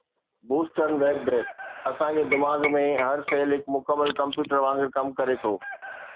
Boston web desk اسان جي دماغ ۾ هر سيل هڪ مڪمل ڪمپيوٽر وانگر ڪم ڪري ٿو